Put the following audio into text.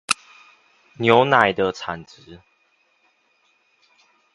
牛乳的產值